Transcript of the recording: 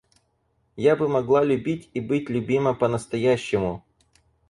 Я бы могла любить и быть любима по-настоящему.